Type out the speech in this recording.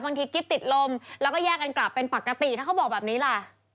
กิ๊บติดลมแล้วก็แยกกันกลับเป็นปกติถ้าเขาบอกแบบนี้ล่ะ